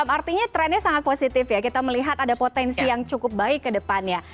artinya trennya sangat positif ya kita melihat ada potensi yang cukup baik ke depannya